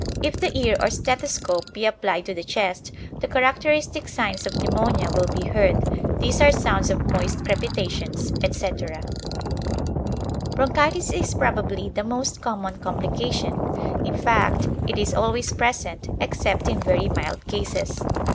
If the ear or stethoscope be applied to the chest, the characteristic signs of pneumonia will be heard; these are sounds of moist crepitations, etc. Bronchitis is probably the most common complication; in fact, it is always present, except in very mild cases.